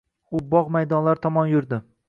U bog‘ maydonlari tomon yurdi.